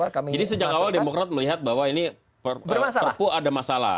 jadi sejak awal demokrat melihat bahwa ini terpu ada masalah